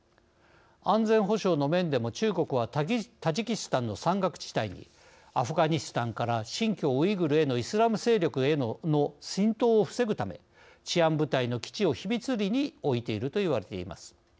安全保障の面でも中国はタジキスタンの山岳地帯にアフガニスタンから新疆ウイグルへのイスラム勢力への浸透を防ぐために治安部隊の基地を秘密裏に置いていると言われています。